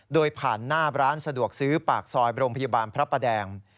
โดยผ่านหน้าร้านสะดวกซื้อปากซอยโรงพยาบาลพระประแดง